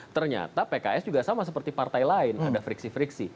ternyata pks juga sama seperti partai lain ada friksi friksi